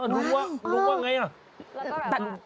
ลุงว่ะลุงว่าไงอ่ะ